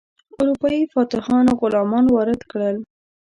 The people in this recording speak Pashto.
اروپایي فاتحانو غلامان وارد کړل.